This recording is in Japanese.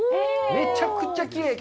めちゃくちゃきれい。